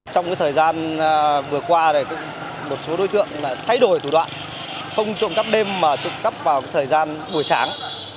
trong thời gian vừa qua một số đối tượng thay đổi thủ đoạn không trộm cắp đêm mà trộm cắp vào thời gian buổi sáng